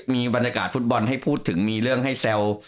มีบรรยากาศฟุตบอลให้พูดถึงมีเรื่องให้แซว